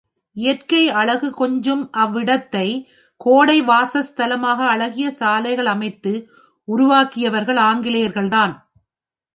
இயற்கை அழகு கொஞ்சும் அந்த இடத்தை கோடை வாசஸ்தலமாக அழகிய சாலைகள் அமைத்து உருவாக்கியவர்கள் ஆங்கிலேயர்கள் தான்.